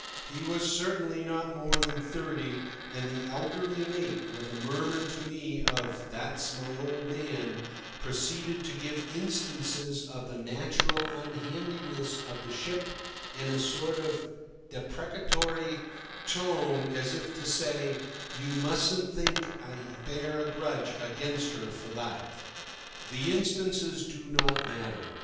He was certainly not more than thirty, and the elderly mate, with a murmur to me of "That's my old man," proceeded to give instances of the natural unhandiness of the ship in a sort of deprecatory tone, as if to say, "You mustn't think I bear a grudge against her for that." The instances do not matter.